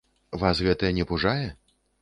Вас гэта не пужае?